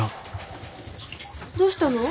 どうしたの？